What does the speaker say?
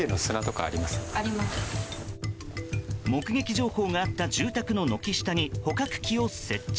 目撃情報があった住宅の軒下に捕獲機を設置。